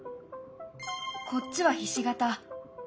こっちはひし形！